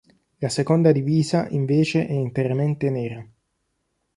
La seconda divisa invece è interamente nera.